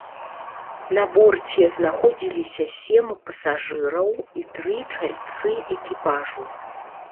На борце знаходзіліся сем пасажыраў і тры чальцы экіпажу.